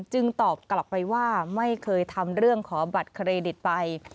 ตอบกลับไปว่าไม่เคยทำเรื่องขอบัตรเครดิตไป